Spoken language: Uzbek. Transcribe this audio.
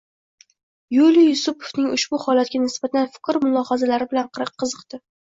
Yuliy Yusupovning ushbu holatga nisbatan fikr-mulohazalari bilan qiziqdi.